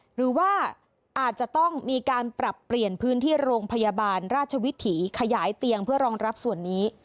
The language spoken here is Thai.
หรือว่าอาจจะต้องมีการปรับเปลี่ยนพื้นที่โรงพยาบาลราชวิถีขยายเตียงเพื่อรองรับส่วนนี้